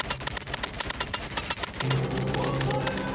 もう中！